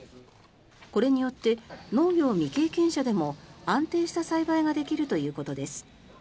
これによって農業未経験者でも安定した栽培ができるということです。